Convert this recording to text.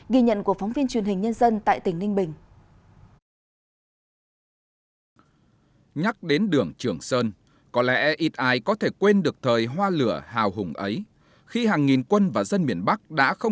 ghi nhận của phóng viên truyền hình nhân dân tại tỉnh ninh bình